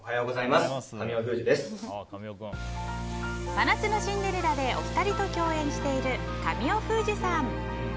「真夏のシンデレラ」でお二人と共演している神尾楓珠さん。